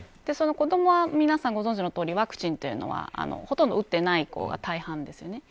子どもは、皆さんご存じのとおりワクチンはほとんど打っていない子が大半です。